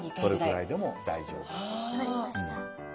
分かりました。